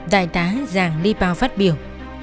đại tá giàng ly bao phát biểu